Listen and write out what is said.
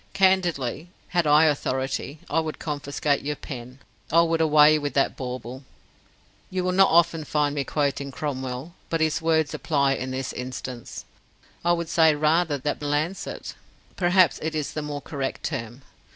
Candidly, had I authority I would confiscate your pen: I would 'away with that bauble'. You will not often find me quoting Cromwell, but his words apply in this instance. I would say rather, that lancet. Perhaps it is the more correct term.